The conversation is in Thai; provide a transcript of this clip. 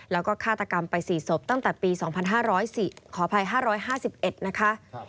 แล้วก็ฆาตกรรมไป๔ศพตั้งแต่ปี๒๕๐๔ขออภัย๕๕๑นะคะ